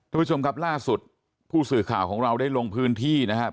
ทุกผู้ชมครับล่าสุดผู้สื่อข่าวของเราได้ลงพื้นที่นะครับ